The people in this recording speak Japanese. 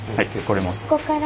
ここから？